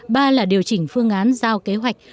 ba là điều chỉnh phương án giao kế hoạch